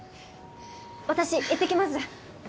私行ってきます。